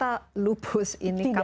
kata lupus ini kapan